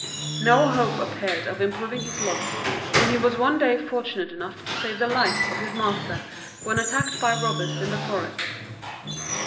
No hope appeared of improving his lot, when he was one day fortunate enough to save the life of his master when attacked by robbers in the forest.